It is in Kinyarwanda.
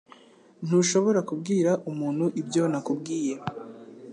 Ntushobora kubwira umuntu ibyo nakubwiye.